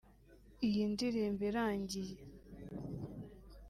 Iyi ndirimbo irangiye